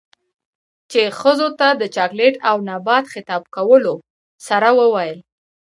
،چـې ښـځـو تـه د چـاکـليـت او نـبات خـطاب کـولـو سـره وويل.